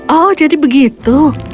oh jadi begitu